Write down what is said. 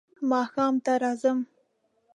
ماښام ته راځم .